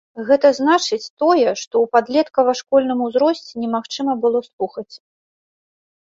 Гэта значыць тое, што ў падлеткава-школьным узросце немагчыма было слухаць.